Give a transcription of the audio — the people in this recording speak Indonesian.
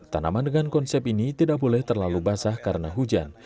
tanaman dengan konsep ini tidak boleh terlalu basah karena hujan